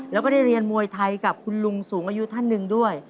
แล้วก็ได้เรียนมวยไทยกับคุณลุงสูงอายุท่านหนึ่งด้วย